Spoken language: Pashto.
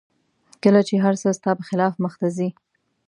کله چې هر څه ستا په خلاف مخته ځي